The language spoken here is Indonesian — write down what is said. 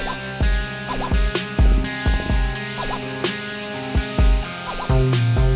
karena menurut aku gak penting karena menurut aku gak penting